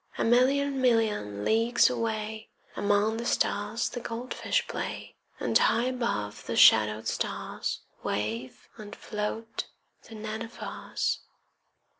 A million million leagues away Among the stars the goldfish play, And high above the shadowed stars Wave and float the nenuphars.